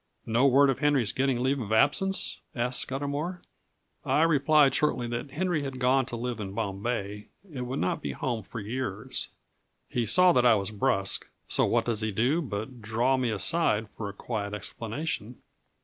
"No word of Henry's getting leave of absence?" asked Scudamour. I replied shortly that Henry had gone to live in Bombay, and would not be home for years. He saw that I was brusque, so what does he do but draw me aside for a quiet explanation.